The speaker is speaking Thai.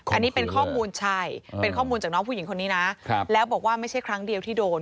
อันนี้เป็นข้อมูลใช่เป็นข้อมูลจากน้องผู้หญิงคนนี้นะแล้วบอกว่าไม่ใช่ครั้งเดียวที่โดน